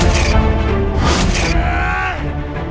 ketuk liar ini